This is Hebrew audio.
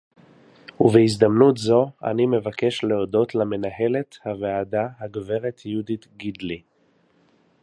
ובהזדמנות זו אני מבקש להודות למנהלת הוועדה הגברת יהודית גידלי